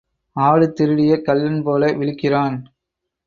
ஆடு திருடிய கள்ளன் போல விழிக்கிறான்.